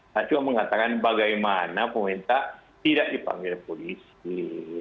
saya cuma mengatakan bagaimana pemerintah tidak dipanggil polisi